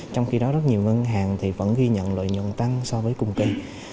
trong khi đó rất nhiều ngân hàng thì vẫn ghi nhận lợi nhuận tăng so với cùng kỳ